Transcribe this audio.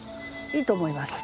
いいと思います。